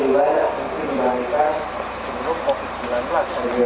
karena tadi terlalu banyak kja